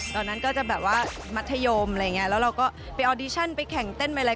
ตอนนั้นก็จะแบบว่ามัธยมอะไรเงี้ย